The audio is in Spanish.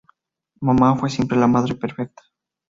Mamá fue siempre la madre perfecta.